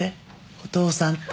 お父さん助けて